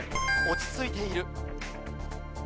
落ち着いている。